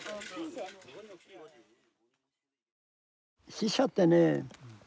死者ってね